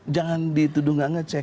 jangan dituduh nggak ngecek